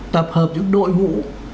tập hợp những đội hũ